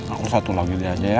aku satu lagi aja ya